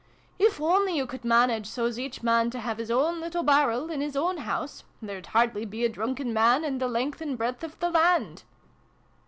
"If only you could manage, so's each man to have his own little barrel in his own house there'd hardly be a drunken man in the length and breadth of the land